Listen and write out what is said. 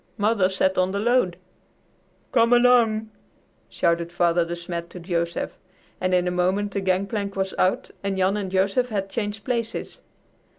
Mother sat on the load." "Come along!" shouted Father De Smet to Joseph, and in a moment the gangplank was out and Jan and Joseph had changed places.